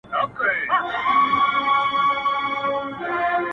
ټگان تللي وه د وخته پر آسونو؛